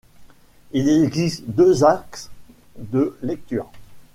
Il existe deux axes de lecture.